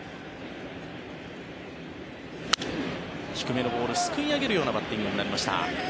低めのボールすくい上げるようなバッティングになりました。